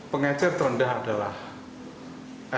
pengecer terendah adalah